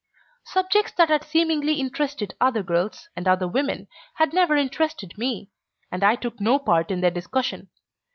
Subjects that had seemingly interested other girls and other women had never interested me, and I took no part in their discussion.